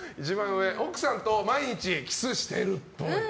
奥さんと毎日キスしてるっぽい。